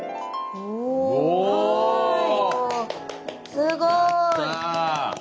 すごい。